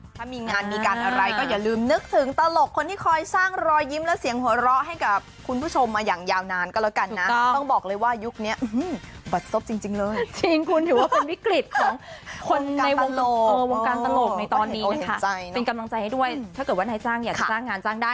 ถ้ามีงานมีการอะไรก็อย่าลืมนึกถึงตลก